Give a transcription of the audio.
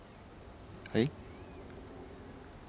はい？